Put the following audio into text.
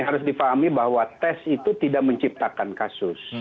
harus difahami bahwa tes itu tidak menciptakan kasus